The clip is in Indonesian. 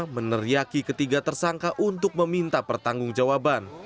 meneriaki ketiga tersangka untuk meminta pertanggung jawaban